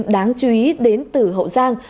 bản tin đáng chú ý đến từ hậu giang